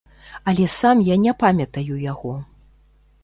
Але сам я не памятаю яго.